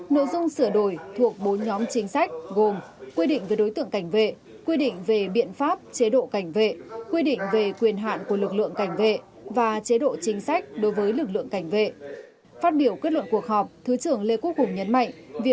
nội dung sửa đổi thuộc bốn nhóm chính sách gồm quy định về đối tượng cảnh vệ quy định về biện pháp chế độ cảnh vệ quy định về quyền hạn của lực lượng cảnh vệ và chế độ chính sách đối với lực lượng cảnh vệ